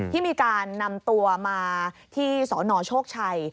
ที่มีการนำตัวมาที่สนโชคชัย